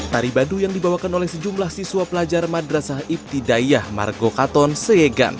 tari baduy yang dibawakan oleh sejumlah siswa pelajar madrasah ibtidayah margo katon seyegan